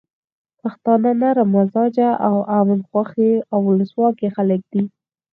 پښتانه نرم مزاجه، امن خوښي او ولسواک خلک دي.